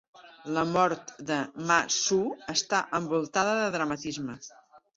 La mort de Ma Su està envoltada de dramatisme.